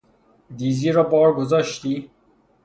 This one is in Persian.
دیزی را بار گذاشتی؟